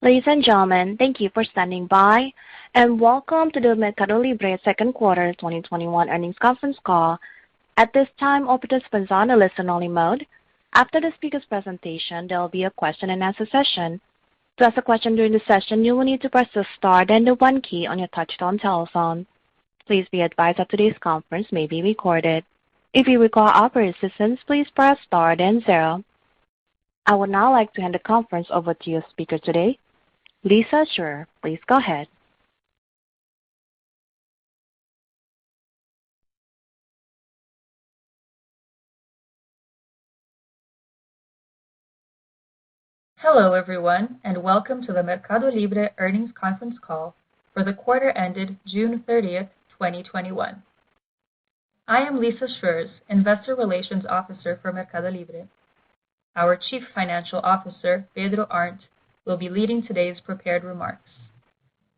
Ladies and gentlemen, thank you for standing by, and welcome to the MercadoLibre second quarter 2021 earnings conference call. At this time, all participants are on a listen-only mode. After the speakers' presentation, there will be a question-and-answer session. Please be advised that today's conference may be recorded. I would now like to hand the conference over to your speaker today, Lissa Schreurs. Please go ahead. Hello, everyone, and welcome to the MercadoLibre earnings conference call for the quarter ended June 30th, 2021. I am Lissa Schreurs, investor relations officer for MercadoLibre. Our Chief Financial Officer, Pedro Arnt, will be leading today's prepared remarks.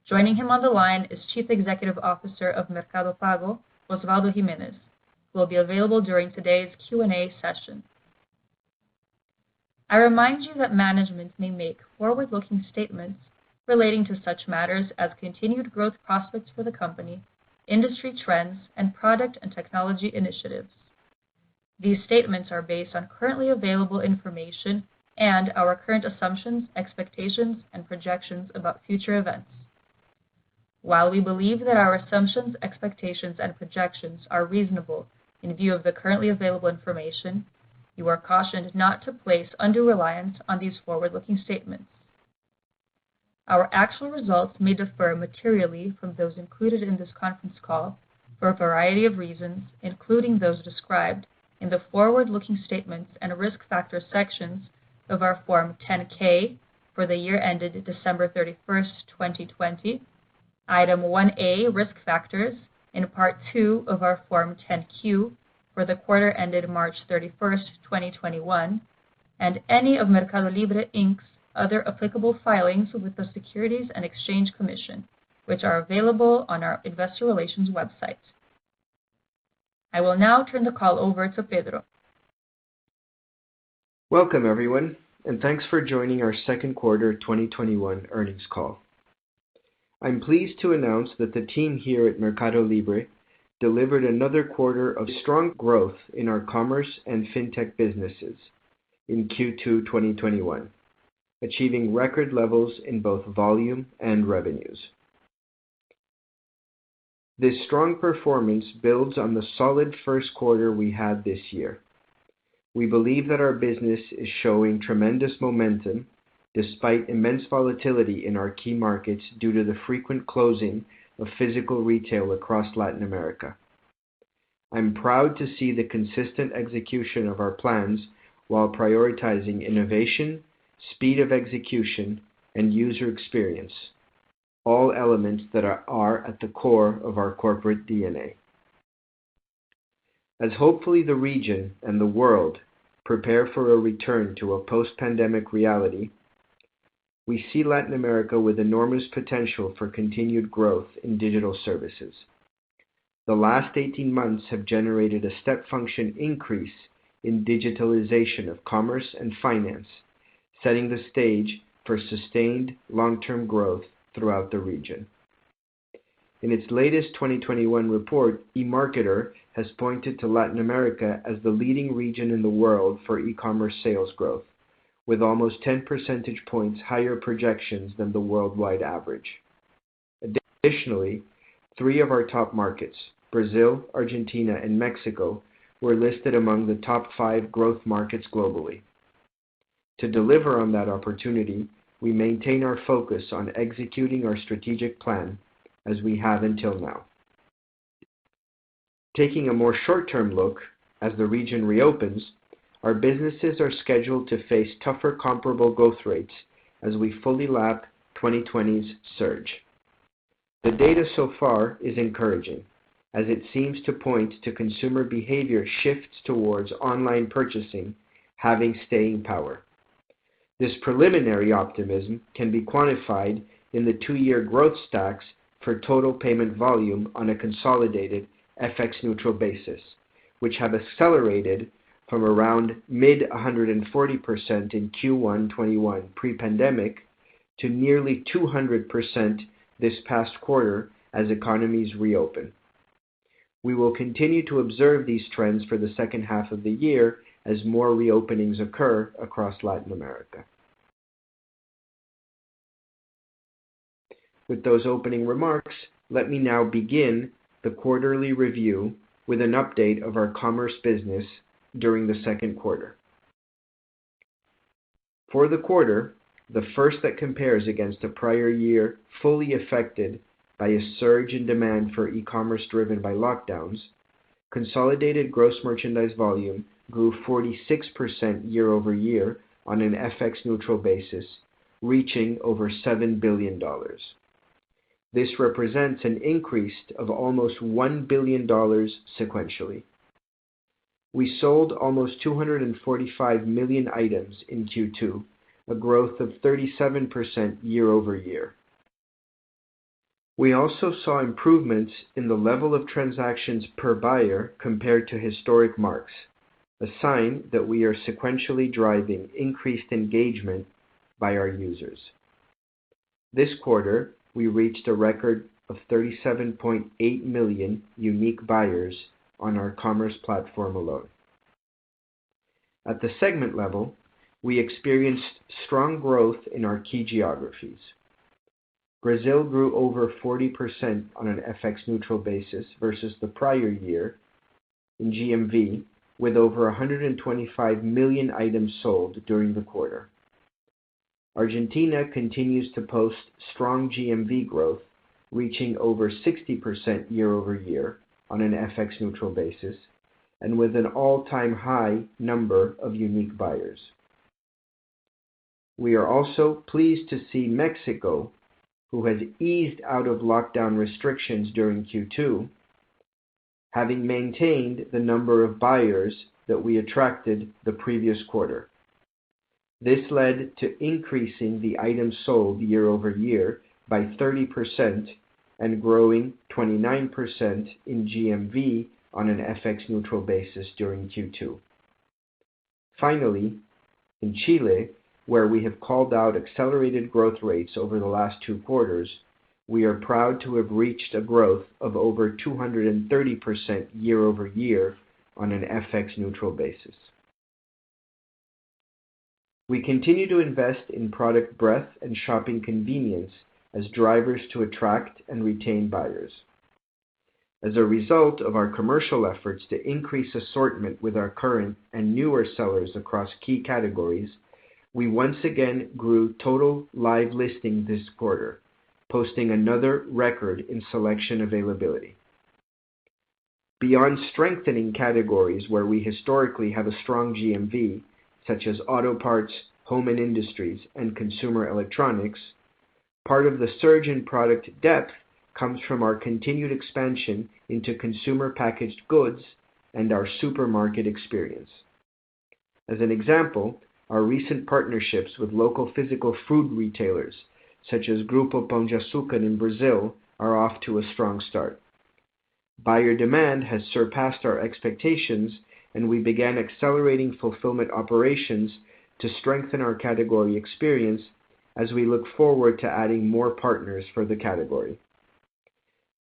Joining him on the line is Chief Executive Officer of Mercado Pago, Osvaldo Gimenez, who will be available during today's Q&A session. I remind you that management may make forward-looking statements relating to such matters as continued growth prospects for the company, industry trends, and product and technology initiatives. These statements are based on currently available information and our current assumptions, expectations, and projections about future events. While we believe that our assumptions, expectations, and projections are reasonable in view of the currently available information, you are cautioned not to place undue reliance on these forward-looking statements. Our actual results may differ materially from those included in this conference call for a variety of reasons, including those described in the Forward-Looking Statements and Risk Factor sections of our Form 10-K for the year ended December 31st, 2020, Item 1A Risk Factors in Part 2 of our Form 10-Q for the quarter ended March 31st, 2021, and any of MercadoLibre, Inc.'s other applicable filings with the Securities and Exchange Commission, which are available on our investor relations website. I will now turn the call over to Pedro. Welcome, everyone, and thanks for joining our second quarter 2021 earnings call. I'm pleased to announce that the team here at MercadoLibre delivered another quarter of strong growth in our commerce and fintech businesses in Q2 2021, achieving record levels in both volume and revenues. This strong performance builds on the solid first quarter we had this year. We believe that our business is showing tremendous momentum despite immense volatility in our key markets due to the frequent closing of physical retail across Latin America. I'm proud to see the consistent execution of our plans while prioritizing innovation, speed of execution, and user experience, all elements that are at the core of our corporate DNA. As hopefully the region and the world prepare for a return to a post-pandemic reality, we see Latin America with enormous potential for continued growth in digital services. The last 18 months have generated a step function increase in digitalization of commerce and finance, setting the stage for sustained long-term growth throughout the region. In its latest 2021 report, eMarketer has pointed to Latin America as the leading region in the world for e-commerce sales growth, with almost 10 percentage points higher projections than the worldwide average. Additionally, three of our top markets, Brazil, Argentina, and Mexico, were listed among the top five growth markets globally. To deliver on that opportunity, we maintain our focus on executing our strategic plan as we have until now. Taking a more short-term look as the region reopens, our businesses are scheduled to face tougher comparable growth rates as we fully lap 2020's surge. The data so far is encouraging, as it seems to point to consumer behavior shifts towards online purchasing having staying power. This preliminary optimism can be quantified in the two-year growth stacks for total payment volume on a consolidated FX neutral basis, which have accelerated from around mid-140% in Q1 2021 pre-pandemic to nearly 200% this past quarter as economies reopen. We will continue to observe these trends for the second half of the year as more reopenings occur across Latin America. With those opening remarks, let me now begin the quarterly review with an update of our commerce business during the second quarter. For the quarter, the first that compares against a prior year fully affected by a surge in demand for e-commerce driven by lockdowns, consolidated gross merchandise volume grew 46% year-over-year on an FX neutral basis, reaching over $7 billion. This represents an increase of almost $1 billion sequentially. We sold almost 245 million items in Q2, a growth of 37% year-over-year. We also saw improvements in the level of transactions per buyer compared to historic marks, a sign that we are sequentially driving increased engagement by our users. This quarter, we reached a record of 37.8 million unique buyers on our commerce platform alone. At the segment level, we experienced strong growth in our key geographies. Brazil grew over 40% on an FX-neutral basis versus the prior year in GMV, with over 125 million items sold during the quarter. Argentina continues to post strong GMV growth, reaching over 60% year-over-year on an FX-neutral basis, and with an all-time high number of unique buyers. We are also pleased to see Mexico, who has eased out of lockdown restrictions during Q2, having maintained the number of buyers that we attracted the previous quarter. This led to increasing the items sold year-over-year by 30% and growing 29% in GMV on an FX-neutral basis during Q2. Finally, in Chile, where we have called out accelerated growth rates over the last two quarters, we are proud to have reached a growth of over 230% year-over-year on an FX-neutral basis. We continue to invest in product breadth and shopping convenience as drivers to attract and retain buyers. As a result of our commercial efforts to increase assortment with our current and newer sellers across key categories, we once again grew total live listings this quarter, posting another record in selection availability. Beyond strengthening categories where we historically have a strong GMV, such as auto parts, home and industries, and consumer electronics, part of the surge in product depth comes from our continued expansion into consumer packaged goods and our supermarket experience. As an example, our recent partnerships with local physical food retailers such as Grupo Pão de Açúcar in Brazil are off to a strong start. Buyer demand has surpassed our expectations, and we began accelerating fulfillment operations to strengthen our category experience as we look forward to adding more partners for the category.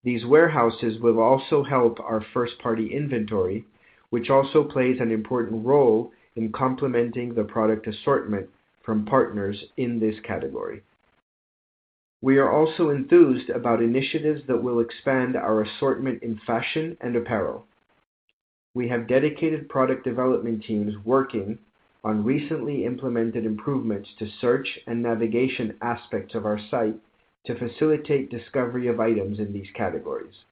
These warehouses will also help our first-party inventory, which also plays an important role in complementing the product assortment from partners in this category. We are also enthused about initiatives that will expand our assortment in fashion and apparel. We have dedicated product development teams working on recently implemented improvements to search and navigation aspects of our site to facilitate discovery of items in these categories.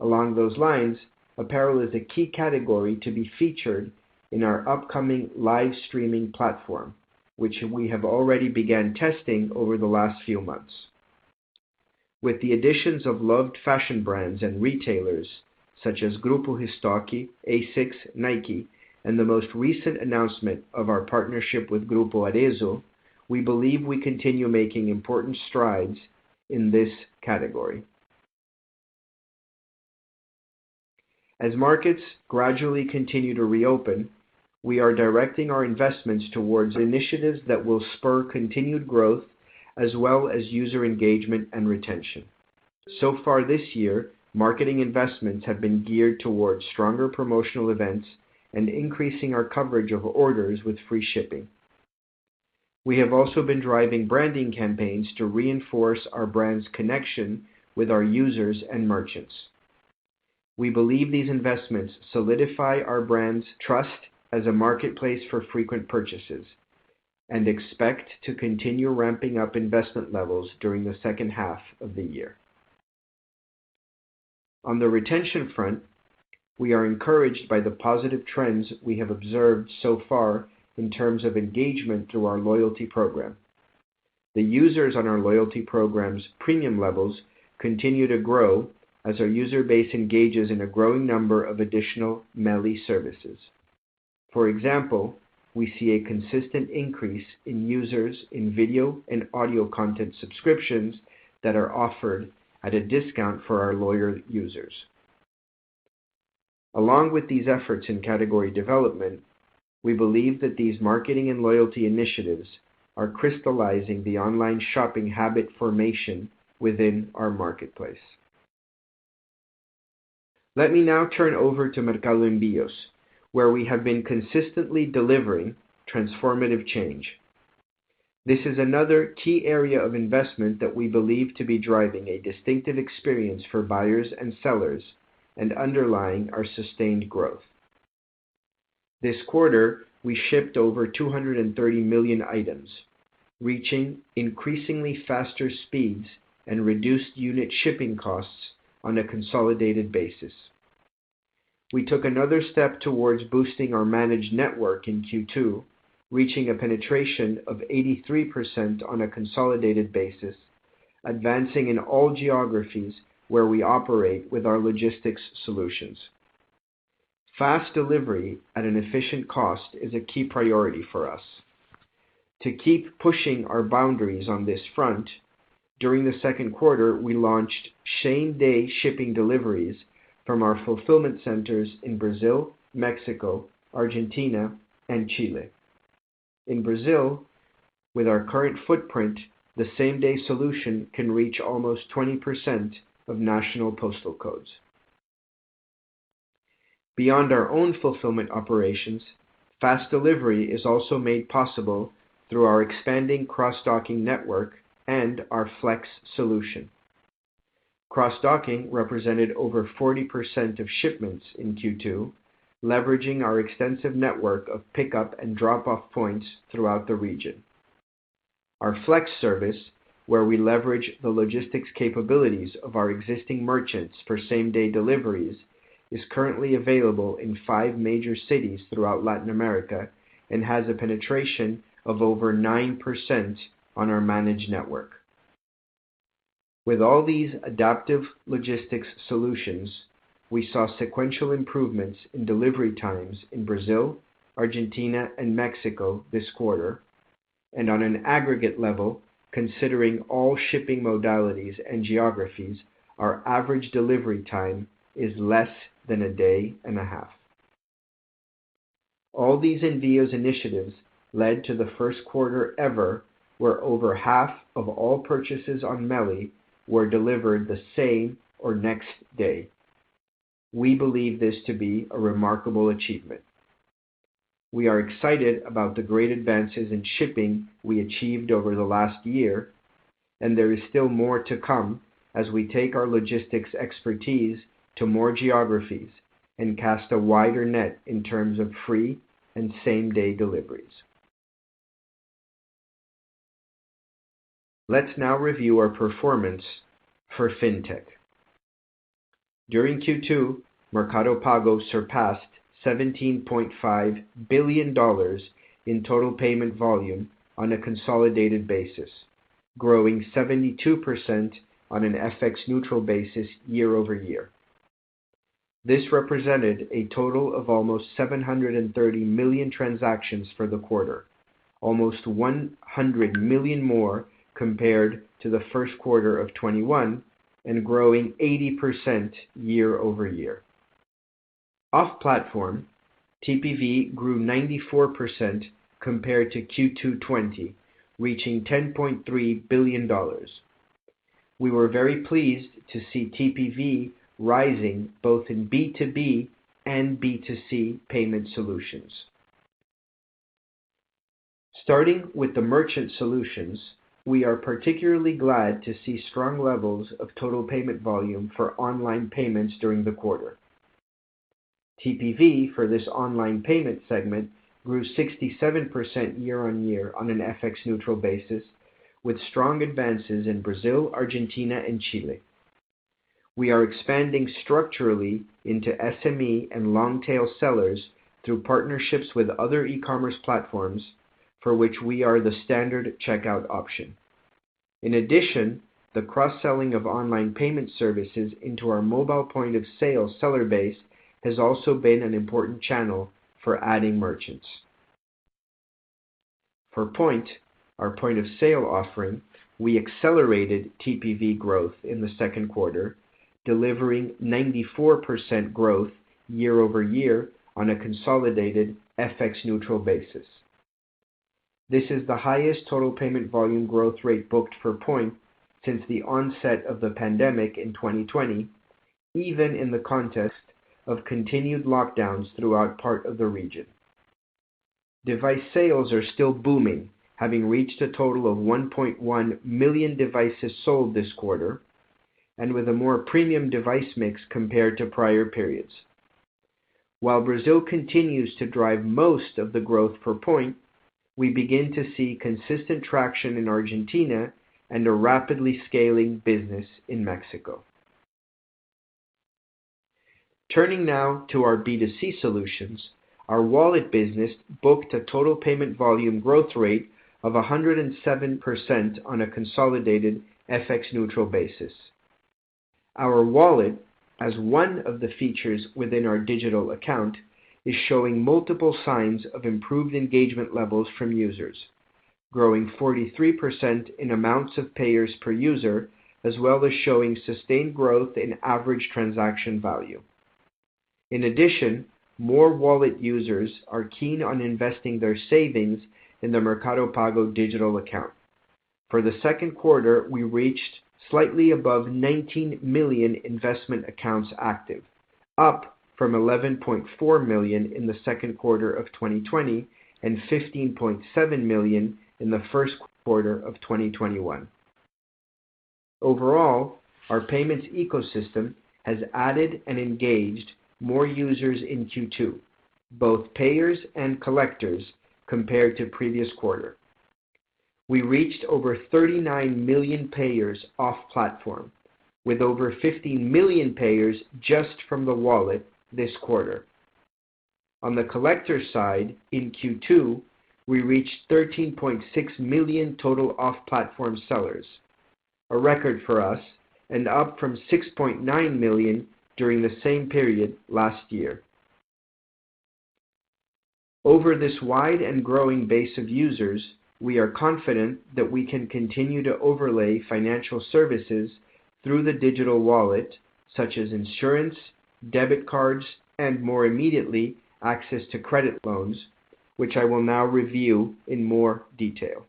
Along those lines, apparel is a key category to be featured in our upcoming live streaming platform, which we have already began testing over the last few months. With the additions of loved fashion brands and retailers such as Grupo Soma, ASICS, Nike, and the most recent announcement of our partnership with Arezzo&Co, we believe we continue making important strides in this category. As markets gradually continue to reopen, we are directing our investments towards initiatives that will spur continued growth as well as user engagement and retention. Far this year, marketing investments have been geared towards stronger promotional events and increasing our coverage of orders with free shipping. We have also been driving branding campaigns to reinforce our brand's connection with our users and merchants. We believe these investments solidify our brand's trust as a marketplace for frequent purchases and expect to continue ramping up investment levels during the second half of the year. On the retention front, we are encouraged by the positive trends we have observed so far in terms of engagement through our loyalty program. The users on our loyalty program's premium levels continue to grow as our user base engages in a growing number of additional MELI services. For example, we see a consistent increase in users in video and audio content subscriptions that are offered at a discount for our loyal users. Along with these efforts in category development, we believe that these marketing and loyalty initiatives are crystallizing the online shopping habit formation within our marketplace. Let me now turn over to Mercado Envios, where we have been consistently delivering transformative change. This is another key area of investment that we believe to be driving a distinctive experience for buyers and sellers and underlying our sustained growth. This quarter, we shipped over 230 million items, reaching increasingly faster speeds and reduced unit shipping costs on a consolidated basis. We took another step towards boosting our managed network in Q2, reaching a penetration of 83% on a consolidated basis, advancing in all geographies where we operate with our logistics solutions. Fast delivery at an efficient cost is a key priority for us. To keep pushing our boundaries on this front, during the second quarter, we launched same-day shipping deliveries from our fulfillment centers in Brazil, Mexico, Argentina, and Chile. In Brazil, with our current footprint, the same-day solution can reach almost 20% of national postal codes. Beyond our own fulfillment operations, fast delivery is also made possible through our expanding cross-docking network and our Flex solution. Cross-docking represented over 40% of shipments in Q2, leveraging our extensive network of pickup and drop-off points throughout the region. Our flex service, where we leverage the logistics capabilities of our existing merchants for same-day deliveries, is currently available in five major cities throughout Latin America and has a penetration of over 9% on our managed network. With all these adaptive logistics solutions, we saw sequential improvements in delivery times in Brazil, Argentina, and Mexico this quarter. On an aggregate level, considering all shipping modalities and geographies, our average delivery time is less than a day and a half. All these Envios initiatives led to the first quarter ever where over half of all purchases on MELI were delivered the same or next day. We believe this to be a remarkable achievement. We are excited about the great advances in shipping we achieved over the last year, and there is still more to come as we take our logistics expertise to more geographies and cast a wider net in terms of free and same-day deliveries. Let's now review our performance for fintech. During Q2, Mercado Pago surpassed $17.5 billion in total payment volume on a consolidated basis, growing 72% on an FX neutral basis year-over-year. This represented a total of almost 730 million transactions for the quarter, almost 100 million more compared to the first quarter of 2021, and growing 80% year-over-year. Off platform, TPV grew 94% compared to Q2 2020, reaching $10.3 billion. We were very pleased to see TPV rising both in B2B and B2C payment solutions. Starting with the merchant solutions, we are particularly glad to see strong levels of total payment volume for online payments during the quarter. TPV for this online payment segment grew 67% year-on-year on an FX neutral basis, with strong advances in Brazil, Argentina, and Chile. We are expanding structurally into SME and long-tail sellers through partnerships with other e-commerce platforms, for which we are the standard checkout option. In addition, the cross-selling of online payment services into our mobile point of sale seller base has also been an important channel for adding merchants. For Point, our point of sale offering, we accelerated TPV growth in the second quarter, delivering 94% growth year-over-year on a consolidated FX neutral basis. This is the highest total payment volume growth rate booked for Point since the onset of the pandemic in 2020, even in the context of continued lockdowns throughout part of the region. Device sales are still booming, having reached a total of 1.1 million devices sold this quarter, and with a more premium device mix compared to prior periods. While Brazil continues to drive most of the growth for Point, we begin to see consistent traction in Argentina and a rapidly scaling business in Mexico. Turning now to our B2C solutions, our wallet business booked a total payment volume growth rate of 107% on a consolidated FX neutral basis. Our wallet, as one of the features within our digital account, is showing multiple signs of improved engagement levels from users, growing 43% in amounts of payers per user, as well as showing sustained growth in average transaction value. In addition, more wallet users are keen on investing their savings in the Mercado Pago digital account. For the second quarter, we reached slightly above 19 million investment accounts active, up from 11.4 million in the second quarter of 2020 and 15.7 million in the first quarter of 2021. Overall, our payments ecosystem has added and engaged more users in Q2, both payers and collectors compared to the previous quarter. We reached over 39 million payers off-platform, with over 15 million payers just from the wallet this quarter. On the collector side, in Q2, we reached 13.6 million total off-platform sellers. A record for us and up from 6.9 million during the same period last year. Over this wide and growing base of users, we are confident that we can continue to overlay financial services through the digital wallet, such as insurance, debit cards, and more immediately, access to credit loans, which I will now review in more detail.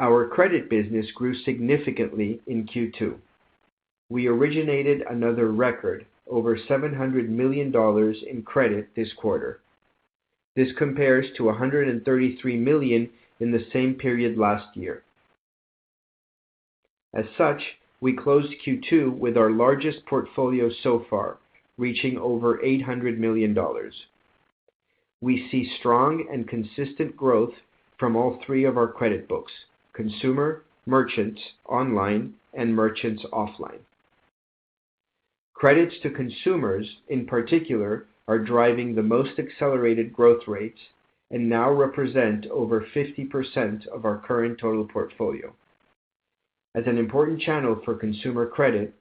Our credit business grew significantly in Q2. We originated another record, over $700 million in credit this quarter. This compares to $133 million in the same period last year. As such, we closed Q2 with our largest portfolio so far, reaching over $800 million. We see strong and consistent growth from all three of our credit books, consumer, merchants online, and merchants offline. Credits to consumers, in particular, are driving the most accelerated growth rates and now represent over 50% of our current total portfolio. As an important channel for consumer credit,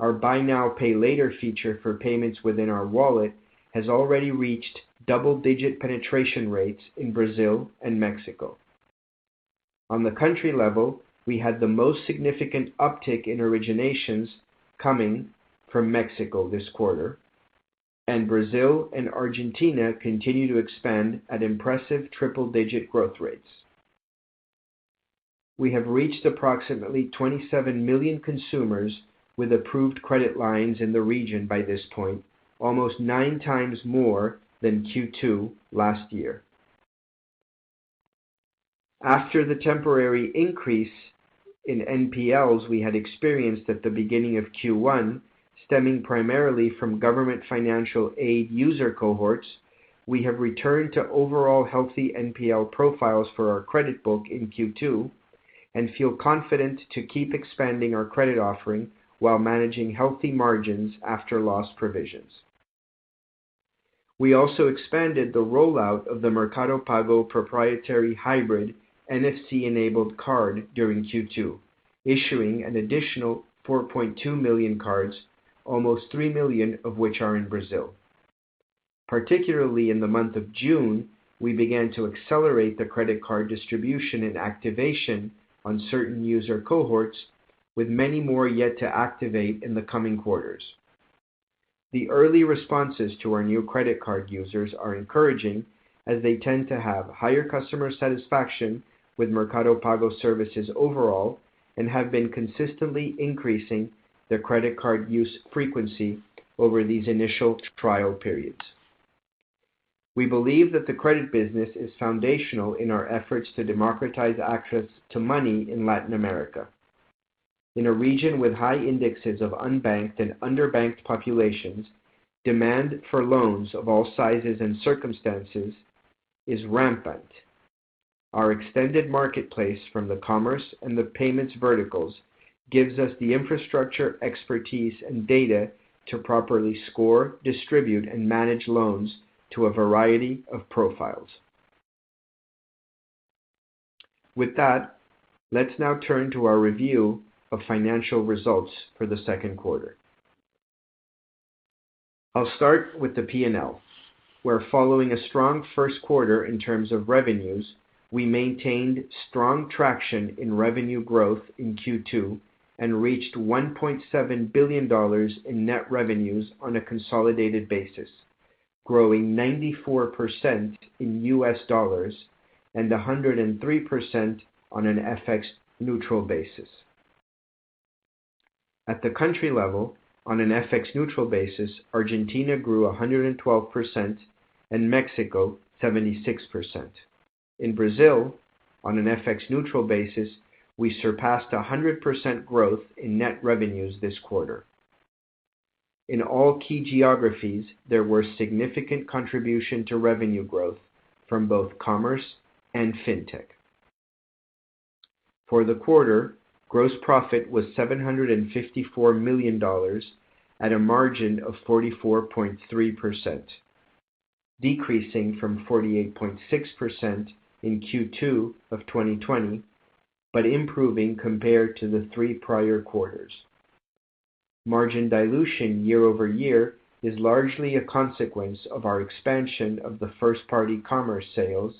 our buy now, pay later feature for payments within our wallet has already reached double-digit penetration rates in Brazil and Mexico. On the country level, we had the most significant uptick in originations coming from Mexico this quarter, and Brazil and Argentina continue to expand at impressive triple-digit growth rates. We have reached approximately 27 million consumers with approved credit lines in the region by this point, almost 9x more than Q2 last year. After the temporary increase in NPLs we had experienced at the beginning of Q1, stemming primarily from government financial aid user cohorts, we have returned to overall healthy NPL profiles for our credit book in Q2 and feel confident to keep expanding our credit offering while managing healthy margins after loss provisions. We also expanded the rollout of the Mercado Pago proprietary hybrid NFC-enabled card during Q2, issuing an additional 4.2 million cards, almost 3 million of which are in Brazil. Particularly in the month of June, we began to accelerate the credit card distribution and activation on certain user cohorts, with many more yet to activate in the coming quarters. The early responses to our new credit card users are encouraging, as they tend to have higher customer satisfaction with Mercado Pago services overall and have been consistently increasing their credit card use frequency over these initial trial periods. We believe that the credit business is foundational in our efforts to democratize access to money in Latin America. In a region with high indexes of unbanked and underbanked populations, demand for loans of all sizes and circumstances is rampant. Our extended marketplace from the commerce and the payments verticals gives us the infrastructure, expertise, and data to properly score, distribute, and manage loans to a variety of profiles. With that, let's now turn to our review of financial results for the second quarter. I'll start with the P&L, where following a strong first quarter in terms of revenues, we maintained strong traction in revenue growth in Q2 and reached $1.7 billion in net revenues on a consolidated basis, growing 94% in U.S. dollars and 103% on an FX neutral basis. At the country level, on an FX neutral basis, Argentina grew 112% and Mexico 76%. In Brazil, on an FX neutral basis, we surpassed 100% growth in net revenues this quarter. In all key geographies, there were significant contribution to revenue growth from both commerce and fintech. For the quarter, gross profit was $754 million at a margin of 44.3%, decreasing from 48.6% in Q2 2020, but improving compared to the three prior quarters. Margin dilution year-over-year is largely a consequence of our expansion of the first-party commerce sales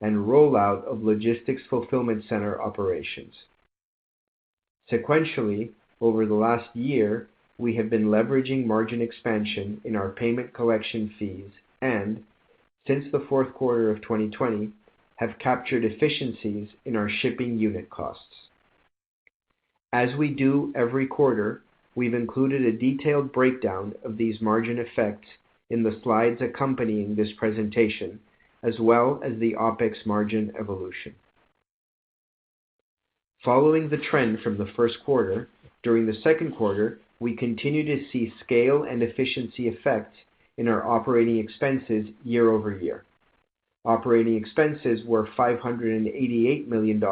and rollout of logistics fulfillment centers operations. Sequentially, over the last year, we have been leveraging margin expansion in our payment collection fees and, since the fourth quarter of 2020, have captured efficiencies in our shipping unit costs. As we do every quarter, we've included a detailed breakdown of these margin effects in the slides accompanying this presentation, as well as the OpEx margin evolution. Following the trend from the first quarter, during the second quarter, we continued to see scale and efficiency effects in our operating expenses year-over-year. Operating expenses were $588 million,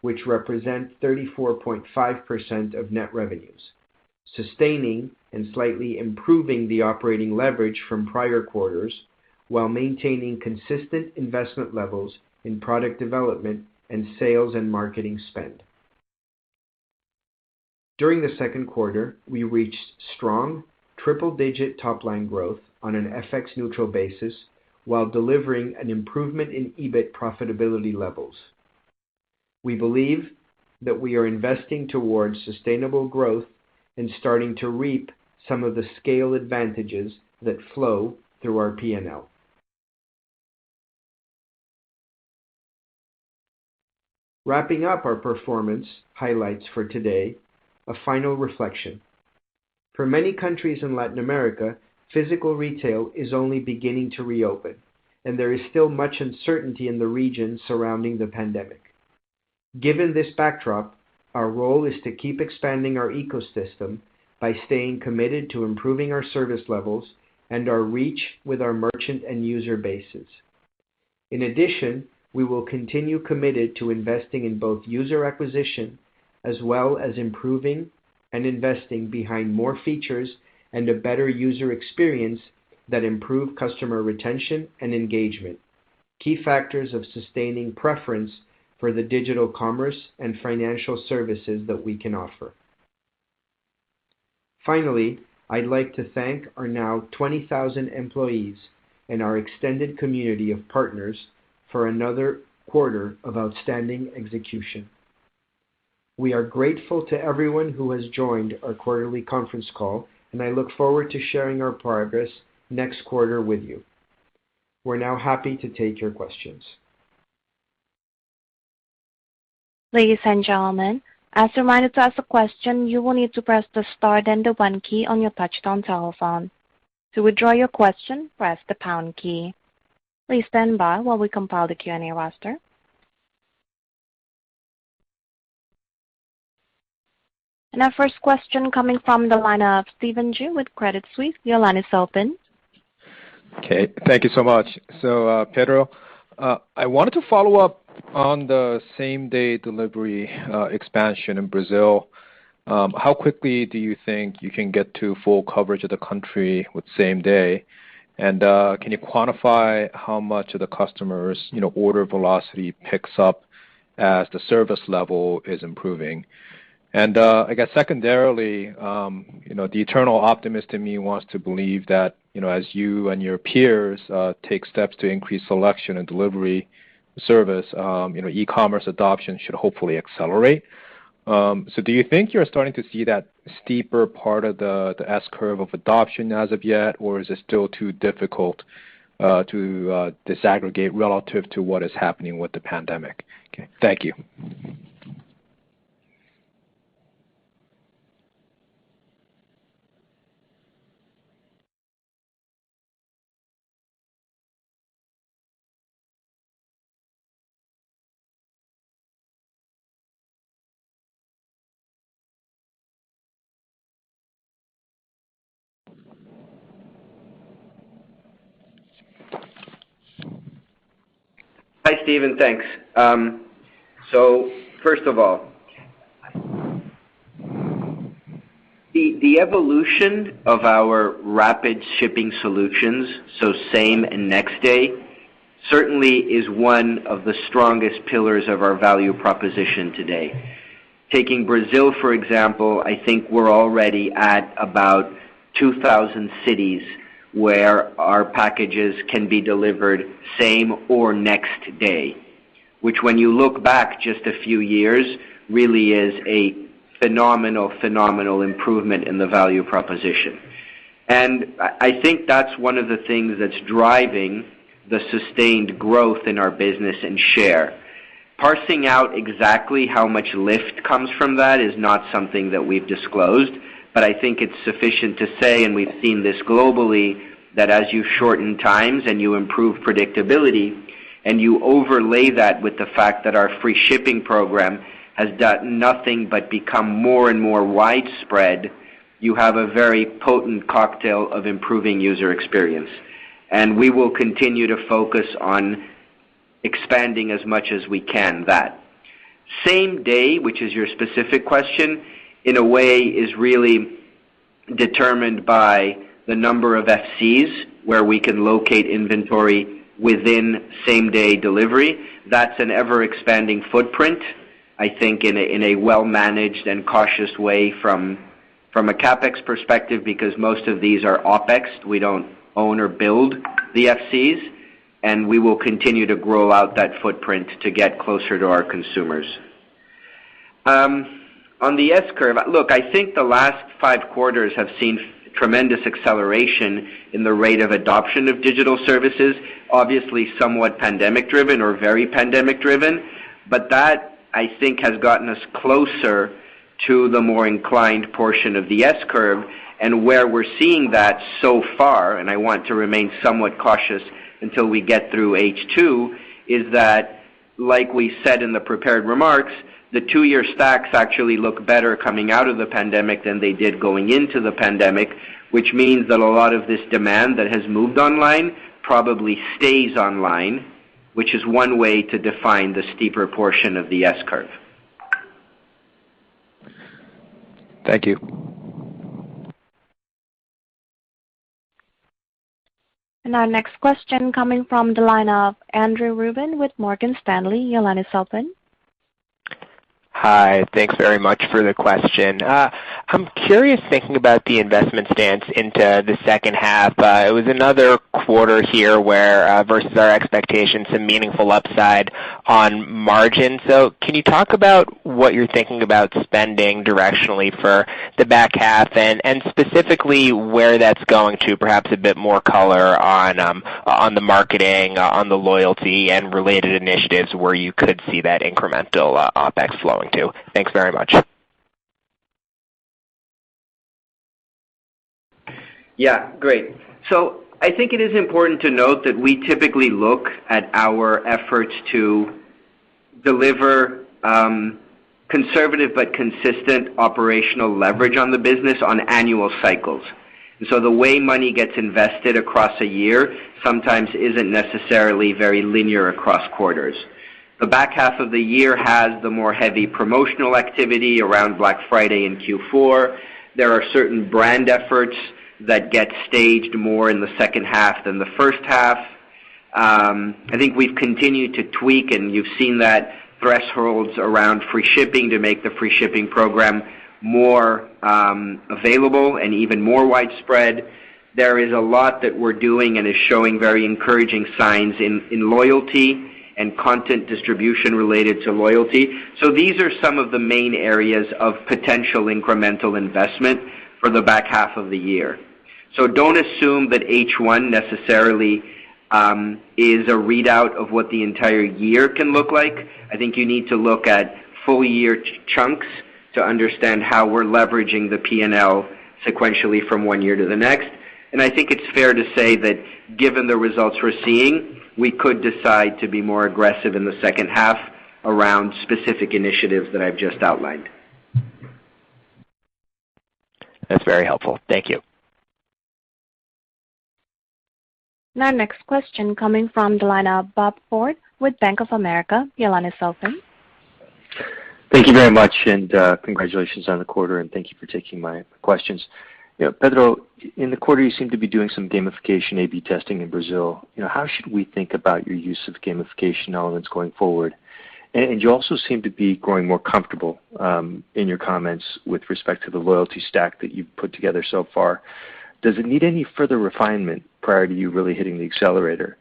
which represent 34.5% of net revenues. Sustaining and slightly improving the operating leverage from prior quarters while maintaining consistent investment levels in product development and sales and marketing spend. During the second quarter, we reached strong triple-digit top-line growth on an FX neutral basis while delivering an improvement in EBIT profitability levels. We believe that we are investing towards sustainable growth and starting to reap some of the scale advantages that flow through our P&L. Wrapping up our performance highlights for today, a final reflection. For many countries in Latin America, physical retail is only beginning to reopen, and there is still much uncertainty in the region surrounding the pandemic. Given this backdrop, our role is to keep expanding our ecosystem by staying committed to improving our service levels and our reach with our merchant and user bases. In addition, we will continue committed to investing in both user acquisition as well as improving and investing behind more features and a better user experience that improve customer retention and engagement, key factors of sustaining preference for the digital commerce and financial services that we can offer. Finally, I'd like to thank our now 20,000 employees and our extended community of partners for another quarter of outstanding execution. We are grateful to everyone who has joined our quarterly conference call, and I look forward to sharing our progress next quarter with you. We're now happy to take your questions. Ladies and gentlemen, as a reminder, to ask a question, you will need to press the star then the one key on your touch-tone telephone. To withdraw your question, press the pound key. Please stand by while we compile the Q&A roster. Our first question coming from the line of Stephen Ju with Credit Suisse. Your line is open. Okay. Thank you so much. Pedro, I wanted to follow up on the same-day delivery expansion in Brazil. How quickly do you think you can get to full coverage of the country with same-day, and can you quantify how much of the customers' order velocity picks up as the service level is improving? I guess secondarily, the eternal optimist in me wants to believe that as you and your peers take steps to increase selection and delivery service, e-commerce adoption should hopefully accelerate. Do you think you're starting to see that steeper part of the S-curve of adoption as of yet, or is it still too difficult to disaggregate relative to what is happening with the pandemic? Okay. Thank you. Hi, Stephen. Thanks. First of all, the evolution of our rapid shipping solutions, so same and next day, certainly is one of the strongest pillars of our value proposition today. Taking Brazil, for example, I think we're already at about 2,000 cities where our packages can be delivered same or next day, which when you look back just a few years, really is a phenomenal improvement in the value proposition. I think that's one of the things that's driving the sustained growth in our business and share. Parsing out exactly how much lift comes from that is not something that we've disclosed, but I think it's sufficient to say, and we've seen this globally, that as you shorten times and you improve predictability and you overlay that with the fact that our free shipping program has done nothing but become more and more widespread, you have a very potent cocktail of improving user experience. We will continue to focus on expanding as much as we can that. Same day, which is your specific question, in a way, is really determined by the number of FCs where we can locate inventory within same-day delivery. That's an ever-expanding footprint, I think in a well-managed and cautious way from a CapEx perspective because most of these are OpEx. We don't own or build the FCs. We will continue to grow out that footprint to get closer to our consumers. On the S-curve, look, I think the last five quarters have seen tremendous acceleration in the rate of adoption of digital services. Obviously, somewhat pandemic driven or very pandemic driven. That I think has gotten us closer to the more inclined portion of the S-curve. Where we're seeing that so far, and I want to remain somewhat cautious until we get through H2, is that like we said in the prepared remarks, the two-year stacks actually look better coming out of the pandemic than they did going into the pandemic, which means that a lot of this demand that has moved online probably stays online. Which is one way to define the steeper portion of the S-curve. Thank you. Our next question coming from the line of Andrew Ruben with Morgan Stanley. Your line is open. Hi. Thanks very much for the question. I'm curious, thinking about the investment stance into the second half. It was another quarter here where, versus our expectations, some meaningful upside on margins. Can you talk about what you're thinking about spending directionally for the back half, and specifically where that's going to? Perhaps a bit more color on the marketing, on the loyalty and related initiatives where you could see that incremental OpEx flowing to. Thanks very much. Great. I think it is important to note that we typically look at our efforts to deliver conservative but consistent operational leverage on the business on annual cycles. The way money gets invested across a year sometimes isn't necessarily very linear across quarters. The back half of the year has the more heavy promotional activity around Black Friday and Q4. There are certain brand efforts that get staged more in the second half than the first half. I think we've continued to tweak, and you've seen that thresholds around free shipping to make the free shipping program more available and even more widespread. There is a lot that we're doing and is showing very encouraging signs in loyalty and content distribution related to loyalty. These are some of the main areas of potential incremental investment for the back half of the year. Don't assume that H1 necessarily is a readout of what the entire year can look like. I think you need to look at full-year chunks to understand how we're leveraging the P&L sequentially from one year to the next. I think it's fair to say that given the results we're seeing, we could decide to be more aggressive in the second half around specific initiatives that I've just outlined. That's very helpful. Thank you. Our next question coming from the line of Bob Ford with Bank of America. Your line is open. Thank you very much, and congratulations on the quarter, and thank you for taking my questions. Pedro, in the quarter, you seem to be doing some gamification A/B testing in Brazil. How should we think about your use of gamification elements going forward? You also seem to be growing more comfortable, in your comments with respect to the loyalty stack that you've put together so far. Does it need any further refinement prior to you really hitting the accelerator?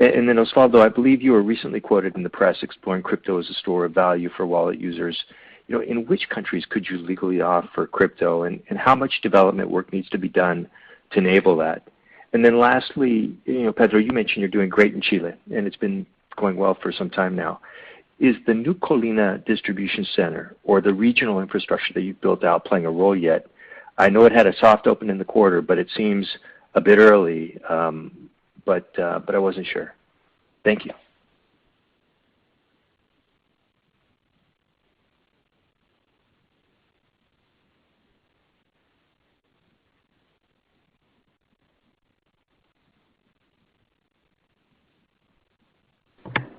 Osvaldo, I believe you were recently quoted in the press exploring crypto as a store of value for wallet users. In which countries could you legally offer crypto, and how much development work needs to be done to enable that? Lastly, Pedro, you mentioned you're doing great in Chile, and it's been going well for some time now. Is the new Colina distribution center or the regional infrastructure that you've built out playing a role yet? I know it had a soft open in the quarter, but it seems a bit early, but I wasn't sure. Thank you.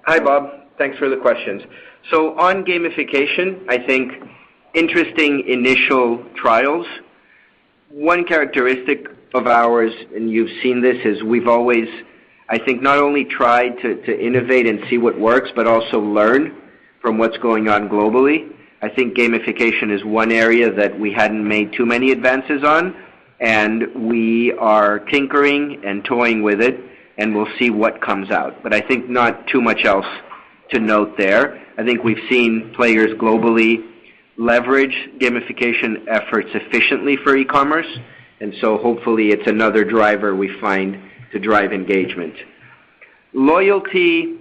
Hi, Bob. Thanks for the questions. On gamification, I think interesting initial trials. One characteristic of ours, and you've seen this, is we've always, I think, not only tried to innovate and see what works, but also learn from what's going on globally. I think gamification is one area that we hadn't made too many advances on, and we are tinkering and toying with it, and we'll see what comes out. I think not too much else to note there. I think we've seen players globally leverage gamification efforts efficiently for e-commerce, and so hopefully it's another driver we find to drive engagement. Loyalty,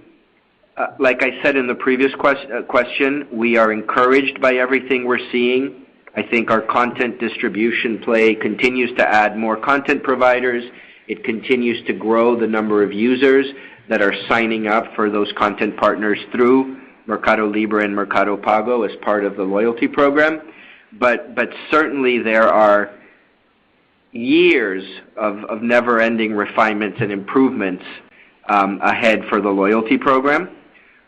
like I said in the previous question, we are encouraged by everything we're seeing. I think our content distribution play continues to add more content providers. It continues to grow the number of users that are signing up for those content partners through MercadoLibre and Mercado Pago as part of the loyalty program. Certainly there are years of never-ending refinements and improvements ahead for the loyalty program.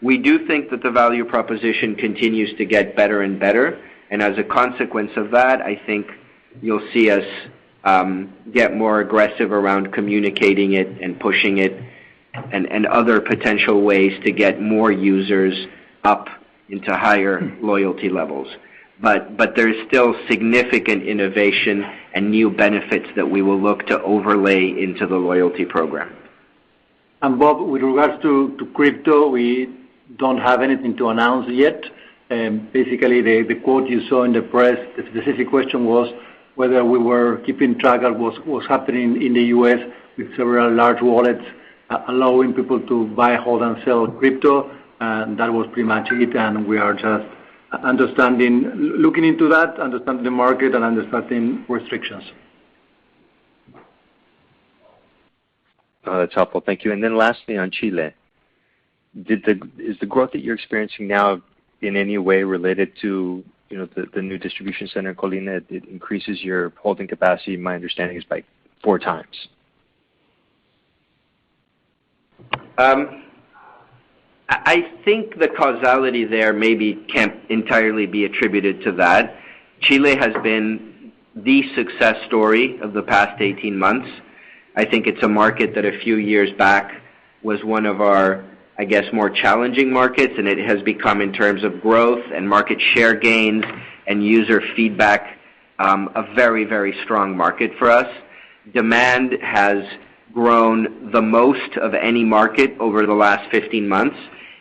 We do think that the value proposition continues to get better and better. As a consequence of that, I think you'll see us get more aggressive around communicating it and pushing it and other potential ways to get more users up into higher loyalty levels. There is still significant innovation and new benefits that we will look to overlay into the loyalty program. Bob, with regards to crypto, we don't have anything to announce yet. Basically, the quote you saw in the press, the specific question was whether we were keeping track of what's happening in the U.S. with several large wallets allowing people to buy, hold, and sell crypto. That was pretty much it. We are just looking into that, understanding the market, and understanding restrictions. That's helpful. Thank you. Lastly on Chile. Is the growth that you're experiencing now in any way related to the new distribution center in Colina? It increases your holding capacity, my understanding is by four times. I think the causality there maybe can't entirely be attributed to that. Chile has been the success story of the past 18 months. I think it's a market that a few years back was one of our, I guess, more challenging markets, and it has become, in terms of growth and market share gains and user feedback, a very strong market for us. Demand has grown the most of any market over the last 15 months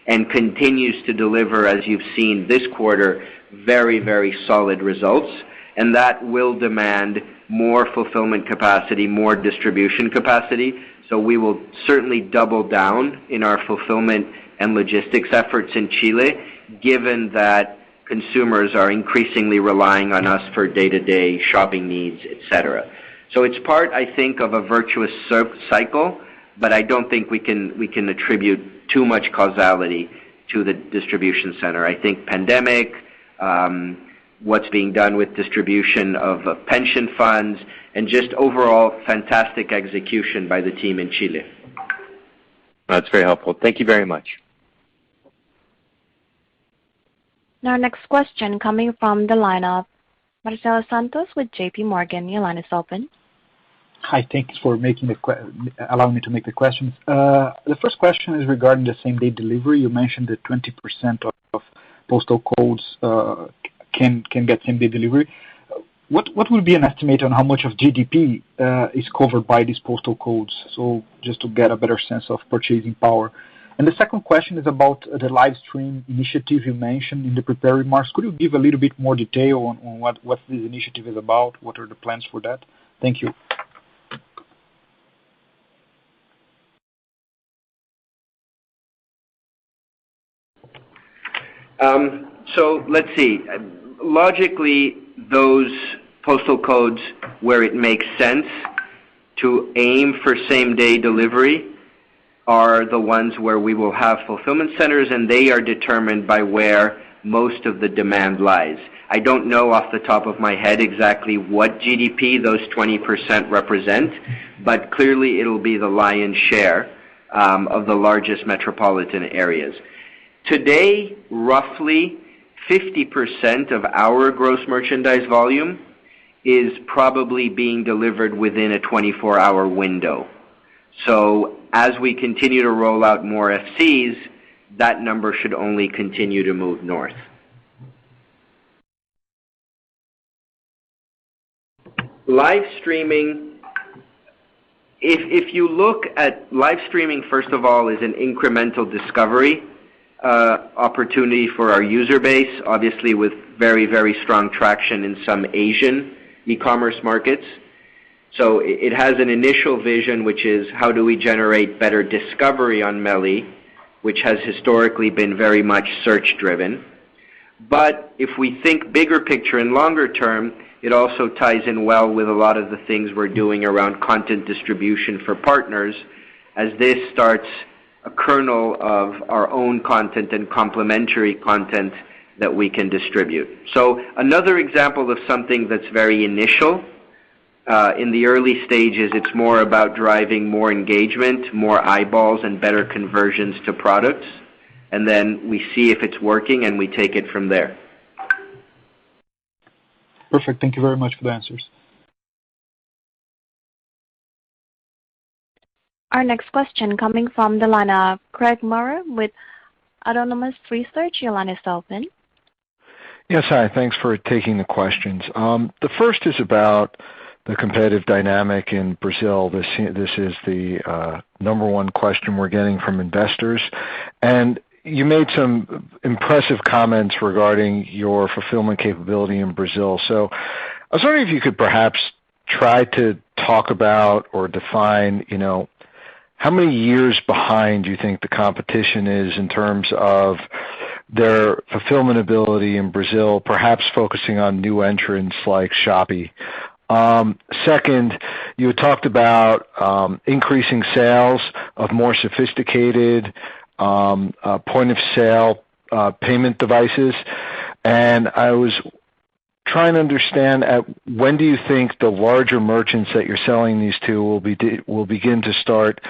and continues to deliver, as you've seen this quarter, very solid results, and that will demand more fulfillment capacity, more distribution capacity. We will certainly double down in our fulfillment and logistics efforts in Chile, given that consumers are increasingly relying on us for day-to-day shopping needs, et cetera. It's part, I think, of a virtuous circle cycle, but I don't think we can attribute too much causality to the distribution center. I think pandemic, what's being done with distribution of pension funds, and just overall fantastic execution by the team in Chile. That's very helpful. Thank you very much. Now our next question coming from the line of Marcelo Santos with JP Morgan. Your line is open. Hi, thank you for allowing me to make the questions. The first question is regarding the same-day delivery. You mentioned that 20% of postal codes can get same-day delivery. What would be an estimate on how much of GDP is covered by these postal codes? Just to get a better sense of purchasing power. The second question is about the livestream initiative you mentioned in the prepared remarks. Could you give a little bit more detail on what this initiative is about? What are the plans for that? Thank you. Let's see. Logically, those postal codes where it makes sense to aim for same-day delivery are the ones where we will have Fulfillment Centers, and they are determined by where most of the demand lies. I don't know off the top of my head exactly what GDP those 20% represent, but clearly it'll be the lion's share of the largest metropolitan areas. Today, roughly 50% of our gross merchandise volume is probably being delivered within a 24-hour window. As we continue to roll out more FCs, that number should only continue to move north. Livestreaming, if you look at livestreaming, first of all, is an incremental discovery opportunity for our user base, obviously with very, very strong traction in some Asian e-commerce markets. It has an initial vision, which is: how do we generate better discovery on MELI, which has historically been very much search-driven. If we think bigger picture and longer term, it also ties in well with a lot of the things we're doing around content distribution for partners as this starts a kernel of our own content and complementary content that we can distribute. Another example of something that's very initial. In the early stages, it's more about driving more engagement, more eyeballs, and better conversions to products, and then we see if it's working, and we take it from there. Perfect. Thank you very much for the answers. Our next question coming from the line of Craig Maurer with Autonomous Research. Your line is open. Yes, hi. Thanks for taking the questions. The first is about the number one question we're getting from investors. You made some impressive comments regarding your fulfillment capability in Brazil. I was wondering if you could perhaps try to talk about or define, how many years behind you think the competition is in terms of their fulfillment ability in Brazil, perhaps focusing on new entrants like Shopee. Second, you had talked about increasing sales of more sophisticated point-of-sale payment devices, and I was trying to understand at when do you think the larger merchants that you're selling these to will begin to start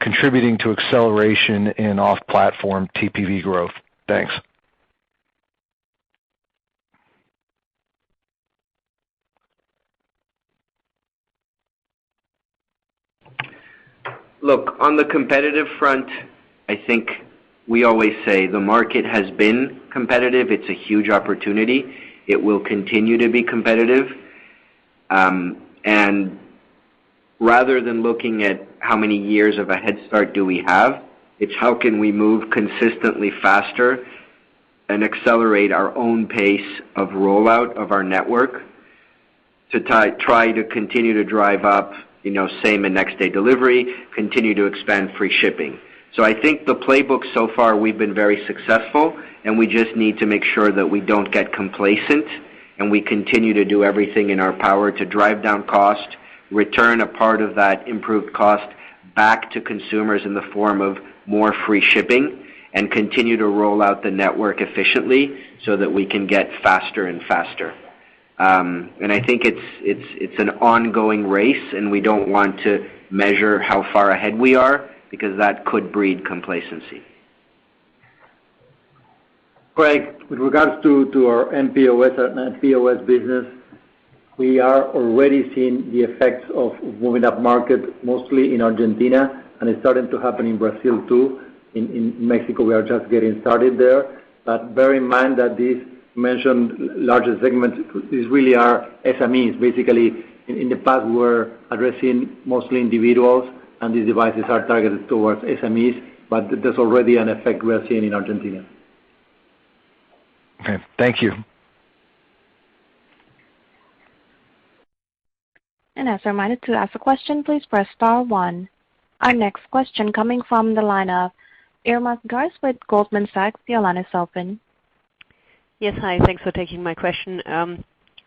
contributing to acceleration in off-platform TPV growth? Thanks. Look, on the competitive front, I think we always say the market has been competitive. It's a huge opportunity. It will continue to be competitive. Rather than looking at how many years of a head start do we have, it's how can we move consistently faster and accelerate our own pace of rollout of our network to try to continue to drive up same and next-day delivery, continue to expand free shipping. I think the playbook so far, we've been very successful, and we just need to make sure that we don't get complacent, and we continue to do everything in our power to drive down cost, return a part of that improved cost back to consumers in the form of more free shipping and continue to roll out the network efficiently so that we can get faster and faster. I think it's an ongoing race, and we don't want to measure how far ahead we are, because that could breed complacency. Craig, with regards to our mPOS business, we are already seeing the effects of moving upmarket, mostly in Argentina, it's starting to happen in Brazil, too. In Mexico, we are just getting started there. Bear in mind that these mentioned larger segments is really our SMEs. Basically, in the past, we were addressing mostly individuals, these devices are targeted towards SMEs, there's already an effect we are seeing in Argentina. Okay. Thank you. As reminded, to ask a question, please press star one. Our next question coming from the line of Irma Sgarz with Goldman Sachs. Your line is open. Yes. Hi. Thanks for taking my question.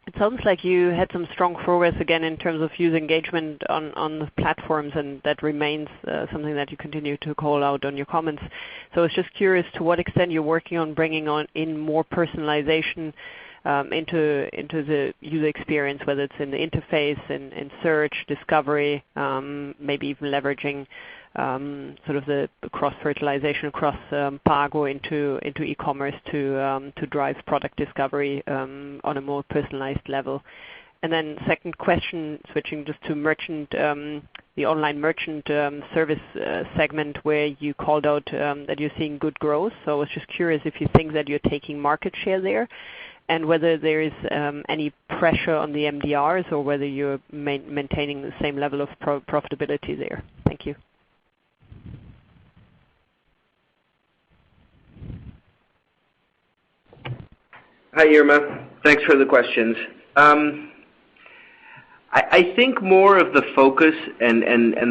It sounds like you had some strong progress again in terms of user engagement on the platforms, and that remains something that you continue to call out on your comments. I was just curious to what extent you're working on bringing in more personalization into the user experience, whether it's in the interface, in search, discovery, maybe even leveraging sort of the cross-fertilization across Pago into e-commerce to drive product discovery on a more personalized level. Second question, switching just to the online merchant service segment, where you called out that you're seeing good growth. I was just curious if you think that you're taking market share there, and whether there is any pressure on the MDRs or whether you're maintaining the same level of profitability there. Thank you. Hi, Irma. Thanks for the questions. I think more of the focus and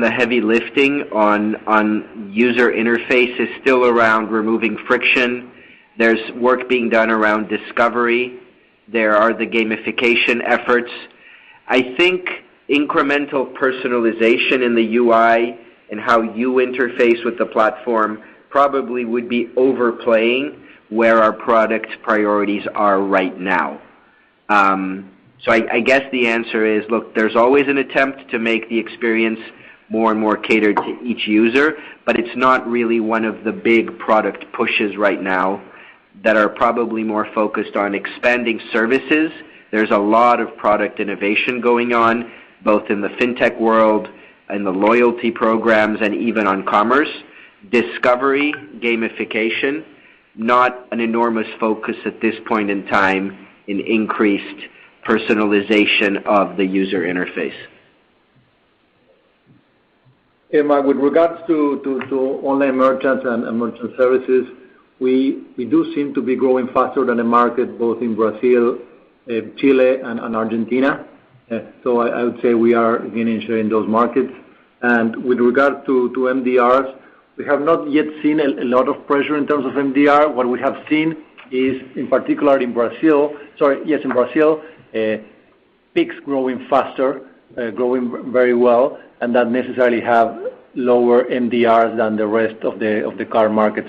the heavy lifting on user interface is still around removing friction. There is work being done around discovery. There are the gamification efforts. I think incremental personalization in the UI and how you interface with the platform probably would be overplaying where our product priorities are right now. I guess the answer is, look, there is always an attempt to make the experience more and more catered to each user, but it is not really one of the big product pushes right now that are probably more focused on expanding services. There is a lot of product innovation going on, both in the fintech world and the loyalty programs, and even on commerce. Discovery, gamification, not an enormous focus at this point in time in increased personalization of the user interface. Irma, with regards to online merchants and merchant services, we do seem to be growing faster than the market, both in Brazil, Chile, and Argentina. I would say we are gaining share in those markets. With regard to MDRs, we have not yet seen a lot of pressure in terms of MDR. What we have seen is, in particular in Brazil, Pix growing faster, growing very well, that necessarily have lower MDRs than the rest of the card market.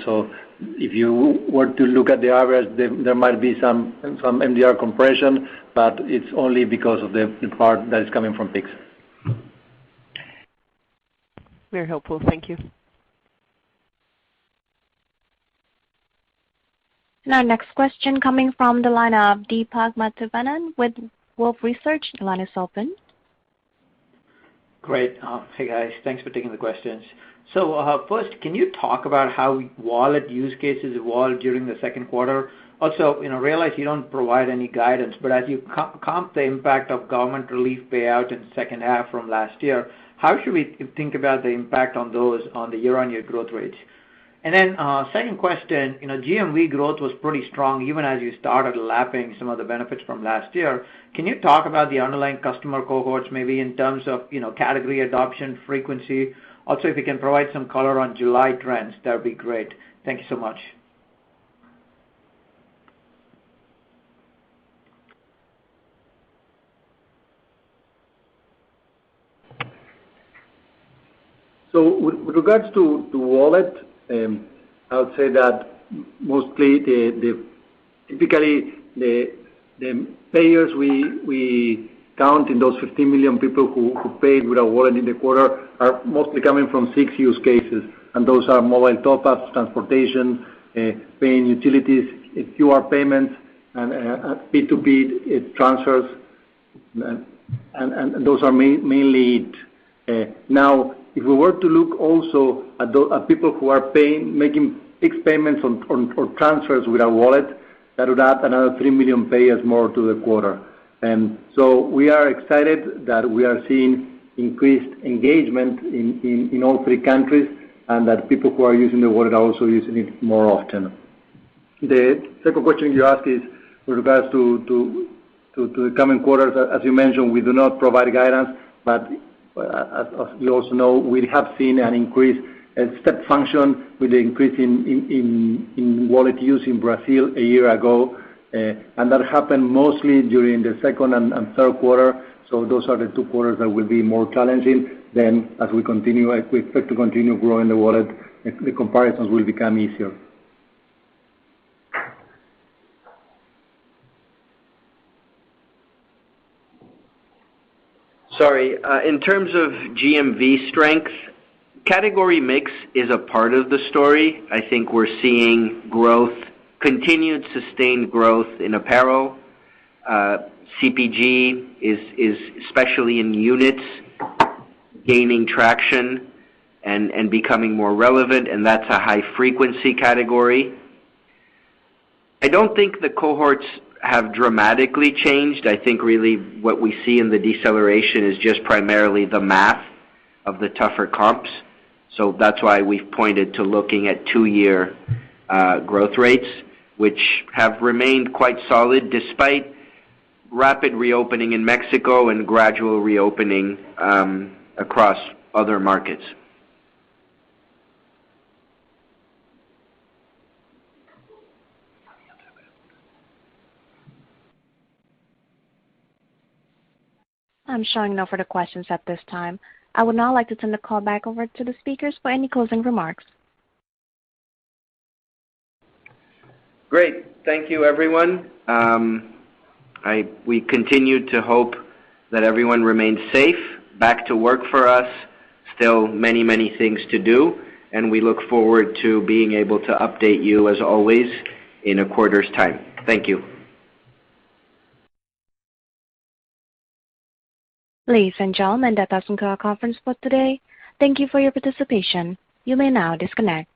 If you were to look at the average, there might be some MDR compression, it's only because of the part that is coming from Pix. Very helpful. Thank you. Our next question coming from the line of Deepak Mathivanan with Wolfe Research. Your line is open. Great. Hey, guys. Thanks for taking the questions. First, can you talk about how wallet use cases evolved during the second quarter? Also, I realize you don't provide any guidance, but as you comp the impact of government relief payout in the second half from last year, how should we think about the impact on those on the year-on-year growth rates? Second question, GMV growth was pretty strong, even as you started lapping some of the benefits from last year. Can you talk about the underlying customer cohorts, maybe in terms of category adoption, frequency? If you can provide some color on July trends, that would be great. Thank you so much. With regards to wallet, I would say that mostly, typically, the payers we count in those 15 million people who paid with a wallet in the quarter are mostly coming from 6 use cases, and those are mobile top-ups, transportation, paying utilities, QR payments, and P2P transfers, and those are mainly it. If we were to look also at people who are making Pix payments or transfers with a wallet, that would add another 3 million payers more to the quarter. We are excited that we are seeing increased engagement in all three countries, and that people who are using the wallet are also using it more often. The second question you asked is with regards to the coming quarters. As you mentioned, we do not provide guidance. As you also know, we have seen an increase, a step function with the increase in wallet use in Brazil a year ago. That happened mostly during the second and third quarter, so those are the two quarters that will be more challenging. As we expect to continue growing the wallet, the comparisons will become easier. Sorry. In terms of GMV strength, category mix is a part of the story. I think we're seeing continued sustained growth in apparel. CPG is, especially in units, gaining traction and becoming more relevant, and that's a high-frequency category. I don't think the cohorts have dramatically changed. I think really what we see in the deceleration is just primarily the math of the tougher comps. That's why we've pointed to looking at two-year growth rates, which have remained quite solid despite rapid reopening in Mexico and gradual reopening across other markets. I'm showing no further questions at this time. I would now like to turn the call back over to the speakers for any closing remarks. Great. Thank you, everyone. We continue to hope that everyone remains safe, back to work for us. Still many things to do, and we look forward to being able to update you as always in a quarter's time. Thank you. Ladies and gentlemen, that does conclude our conference call today. Thank you for your participation. You may now disconnect.